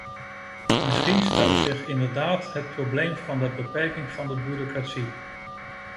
Misschien stelt zich inderdaad het probleem van de beperking van de bureaucratie.